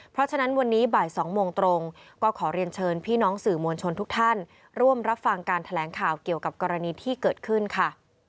เพราะฉะนั้นวันนี้บ่าย๒โมงตรงก็ขอเรียนเชิญพี่น้องสื่อมวลชนทุกท่านร่วมรับฟังการแถลงข่าวเกี่ยวกับกรณีที่เกิดขึ้นค่ะ